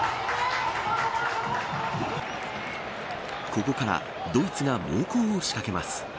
ここからドイツが猛攻を仕掛けます。